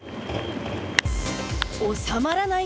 収まらない